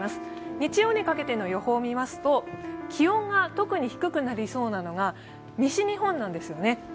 日曜にかけての予報を見ますと気温が特に低くなりそうなのが西日本なんですよね。